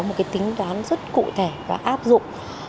một cái tính đoán rất cụ thể và áp dụng